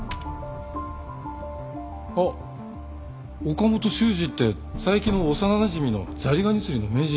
岡本修二って佐伯の幼なじみのザリガニ釣りの名人。